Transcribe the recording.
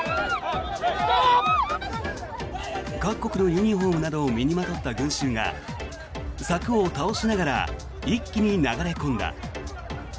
各国のユニホームなどを身にまとった群衆が柵を倒しながら一気に流れ込んだ。